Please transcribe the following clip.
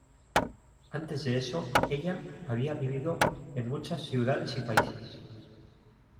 Antes de eso, ella había vivido en "muchas ciudades y países".